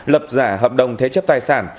lập giả hợp đồng thế chấp tài sản